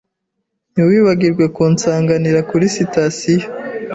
Ntiwibagirwe kunsanganira kuri sitasiyo.